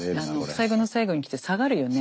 最後の最後に来て下がるよね。